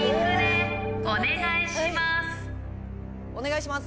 お願いします。